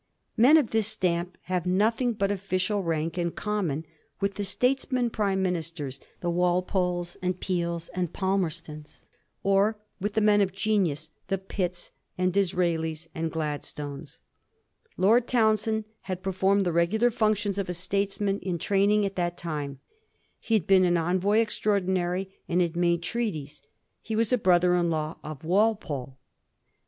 Men of this stamp have nothing but official rank in common with the statesmen Prime Ministers, the Walpoles and Peels and Pal merstons ; or with the men of genius, the Pitts and Disraelis and Gladstones. Lord Townshend had performed the regular functions of a statesman in VOL. I. K Digiti zed by Google 130 A HISTORY OF THE POUR GEORGES. ch. tt. traming at that time. He had been an Envoy Extraordinary, and had made treaties. He was a brother in law of Walpole.